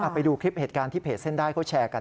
ไปดูคลิปเหตุการณ์ที่เพจเส้นได้เขาแชร์กัน